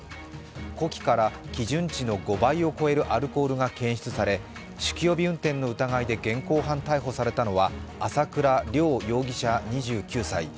呼気から基準値の５倍を超えるアルコールが検出され酒気帯び運転の疑いで現行犯逮捕されたのは朝倉亮容疑者２９歳。